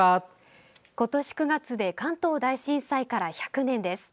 今年９月で関東大震災から１００年です。